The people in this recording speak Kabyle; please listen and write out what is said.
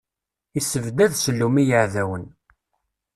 Issebdad ssellum i yiɛdawen.